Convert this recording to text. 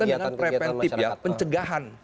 artinya itu yang berkaitan dengan preventive ya pencegahan